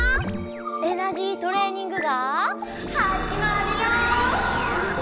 エナジートレーニングがはじまるよ！